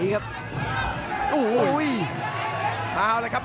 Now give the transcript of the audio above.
อื้อหือจังหวะขวางแล้วพยายามจะเล่นงานด้วยซอกแต่วงใน